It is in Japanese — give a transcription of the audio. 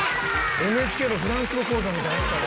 ＮＨＫのフランス語講座みたいになったな。